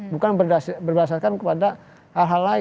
bukan berdasarkan kepada hal hal lain